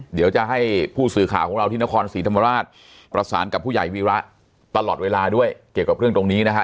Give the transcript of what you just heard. เดี๋ยวจะให้ผู้สื่อข่าวของเราที่นครศรีธรรมราชประสานกับผู้ใหญ่วีระตลอดเวลาด้วยเกี่ยวกับเรื่องตรงนี้นะฮะ